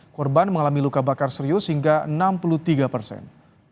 korban mengalami luka bakar serius hingga enam puluh tiga persen